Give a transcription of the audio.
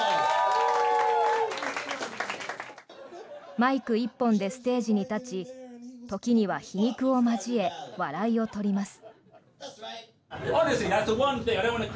マイク１本でステージに立ち時には皮肉を交え笑いを取ります。